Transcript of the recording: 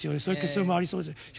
そういう結論もありそうです。